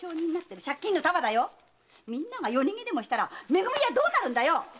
みんなが夜逃げしたらめ組はどうなるんだよ